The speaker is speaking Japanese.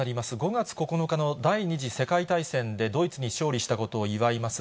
５月９日の第２次世界大戦でドイツに勝利したことを祝います